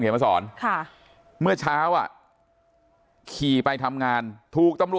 ค่ะเมื่อเช้าอ่ะขี่ไปทำงานถูกต้อง